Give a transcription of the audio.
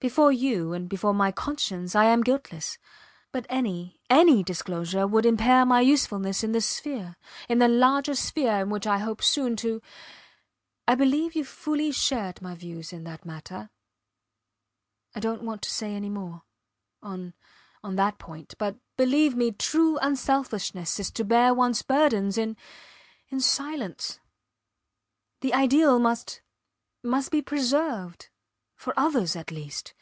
Before you and before my conscience I am guiltless, but any any disclosure would impair my usefulness in the sphere in the larger sphere in which I hope soon to ... I believe you fully shared my views in that matter I dont want to say any more ... on on that point but, believe me, true unselfishness is to bear ones burdens in in silence. The ideal must must be preserved for others, at least.